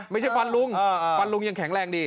ฟันลุงฟันลุงยังแข็งแรงดี